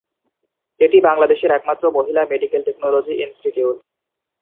এটি বাংলাদেশের একমাত্র মহিলা মেডিকেল টেকনোলজি ইনস্টিটিউট।